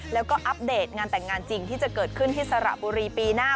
แล้วก็อัปเดตงานแต่งงานจริงที่จะเกิดขึ้นที่สระบุรีปีหน้า